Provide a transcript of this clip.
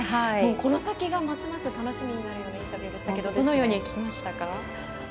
この先が、ますます楽しみな２人でしたがどのように聞きましたか？